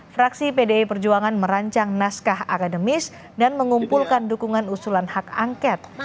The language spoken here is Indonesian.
fraksi pdi perjuangan merancang naskah akademis dan mengumpulkan dukungan usulan hak angket